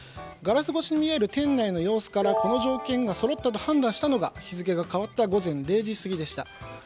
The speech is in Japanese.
ガラス越しに見える店内の様子からこの条件がそろっていると判断したのが日付が変わった午前０時過ぎでした。